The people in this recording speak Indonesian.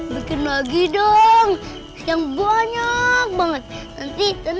yang lain kan belum pada datang